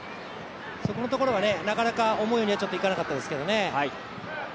そこのところはなかなか思うようにはちょっといかなかったですけどね。